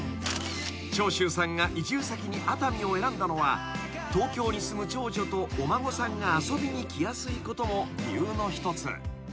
［長州さんが移住先に熱海を選んだのは東京に住む長女とお孫さんが遊びに来やすいことも理由の一つ］